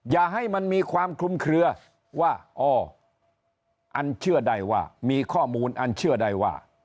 อย่าให้มันมีความคลุมเคลือว่าอ๋ออันเชื่อได้ว่ามีข้อมูลอันเชื่อได้ว่า